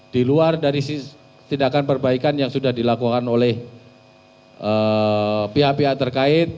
di luar dari tindakan perbaikan yang sudah dilakukan oleh pihak pihak terkait